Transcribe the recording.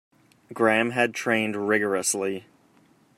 Graham had trained rigourously.